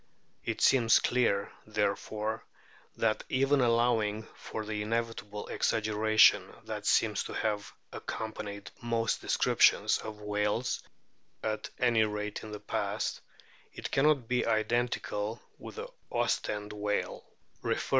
It seems clear, therefore, that even allowing for the inevitable exaggeration that seems to have accom panied most descriptions of whales, at any rate in the past, it cannot be identical with the " Ostend whale" * Hist.